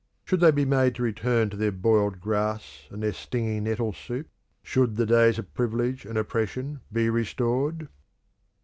Should they be made to return to their boiled grass and their stinging nettle soup? Should the days of privilege and oppression be restored?